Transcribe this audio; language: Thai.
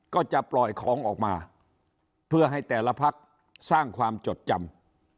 ก็จะปล่อยของออกมาเพื่อให้แต่ละพักสร้างความจดจำ